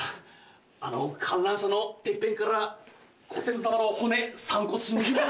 あの観覧車のてっぺんからご先祖さまの骨散骨しに。